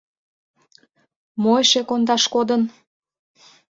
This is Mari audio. Мо эше кондаш кодын?